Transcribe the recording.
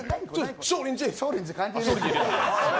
少林寺！